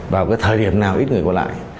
vào cái thời điểm nào ít người có lại